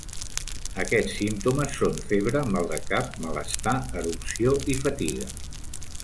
Aquests símptomes són febre, mal de cap, malestar, erupció i fatiga.